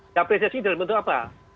diapresiasi dari bentuk apa